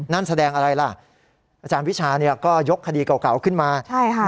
นั่นแสดงอะไรล่ะอาจารย์วิชาเนี่ยก็ยกคดีเก่าขึ้นมาใช่ค่ะ